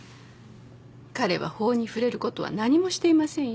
彼は法に触れることは何もしていませんよ？